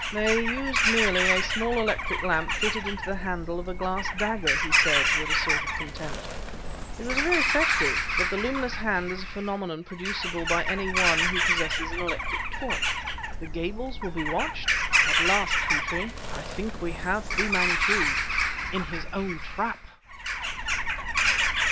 "They used merely a small electric lamp fitted into the handle of a glass dagger," he said with a sort of contempt. "It was very effective, but the luminous hand is a phenomenon producible by any one who possesses an electric torch." "The Gables will be watched?" "At last, Petrie, I think we have Fu Manchu in his own trap!"